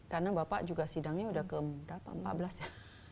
karena bapak juga sidangnya udah ke empat belas ya